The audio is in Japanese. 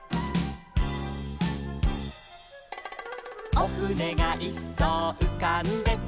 「おふねがいっそううかんでた」